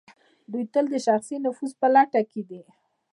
دوی تل د شخصي نفوذ په لټه کې دي.